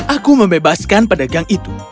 aku membebaskan pedagang itu